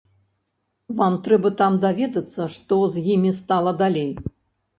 Вам трэба там даведвацца, што з імі стала далей.